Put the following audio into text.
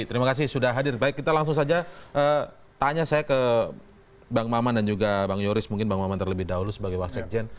terima kasih sudah hadir baik kita langsung saja tanya saya ke bang maman dan juga bang yoris mungkin bang maman terlebih dahulu sebagai wasekjen